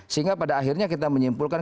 sehingga pada akhirnya kita menyimpulkan